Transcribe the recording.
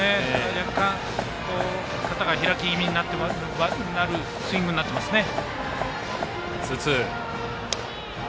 若干、肩が開きぎみになるスイングになっていますね。